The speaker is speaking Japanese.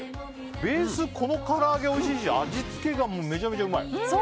ベース、このからあげおいしいし味付けがめちゃめちゃうまい。